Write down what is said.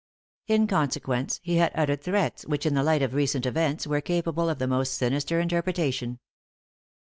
In consequence he had tittered threats which, in the light of recent events, were capable of the most sinister interpretation.